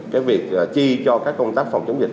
cái việc chi cho các công tác phòng chống dịch